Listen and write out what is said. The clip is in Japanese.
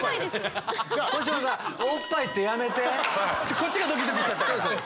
こっちがドキドキしちゃった。